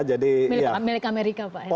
milik amerika pak